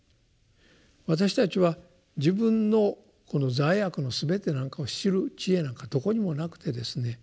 私たちは自分のこの罪悪のすべてなんかを知る智慧なんかどこにもなくてですね